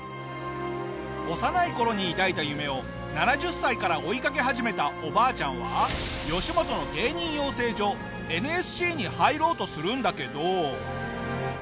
幼い頃に抱いた夢を７０歳から追いかけ始めたおばあちゃんは吉本の芸人養成所ＮＳＣに入ろうとするんだけど。